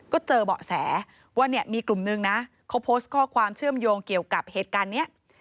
ก็เจอเบาะแสว่าเนี่ยมีกลุ่มนึงนะเขาโพสต์ข้อความเชื่อมโยงเกี่ยวกับเหตุการณ์นี้